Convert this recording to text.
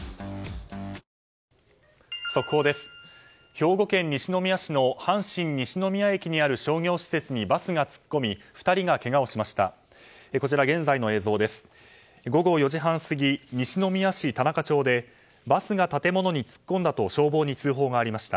兵庫県西宮市の阪神西宮駅の商業施設にバスが突っ込み２人がけがをしました。